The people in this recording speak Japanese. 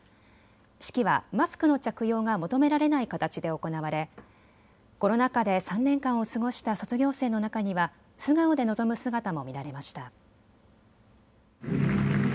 式はマスクの着用が求められない形で行われコロナ禍で３年間を過ごした卒業生の中には素顔で臨む姿も見られました。